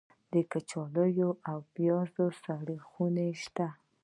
د کچالو او پیاز سړې خونې شته؟